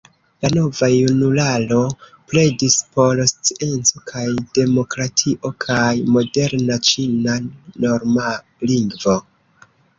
La Nova Junularo pledis por scienco kaj demokratio kaj moderna ĉina norma lingvo.